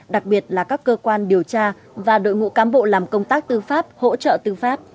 đặc biệt là các cơ quan điều tra và đội ngũ cán bộ làm công tác tư pháp hỗ trợ tư pháp